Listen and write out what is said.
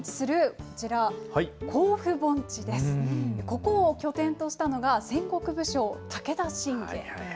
ここを拠点としたのが、戦国武将、武田信玄。